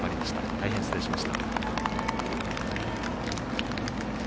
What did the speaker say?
大変、失礼しました。